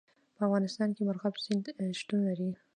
په افغانستان کې مورغاب سیند شتون لري.